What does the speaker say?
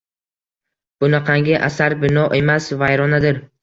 Bunaqangi “asar” bino emas, vayronadir!